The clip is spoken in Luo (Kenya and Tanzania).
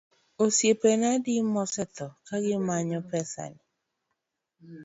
Osiepena adi ma osetho ka gimanyo pesa ni?